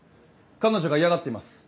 彼女が嫌がっています。